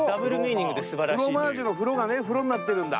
フロマージュの「フロ」がね「風呂」になってるんだ。